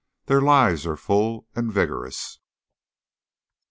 Their lives are full and vigorous.